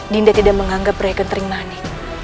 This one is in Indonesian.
dinda tidak menganggap rai gentrimani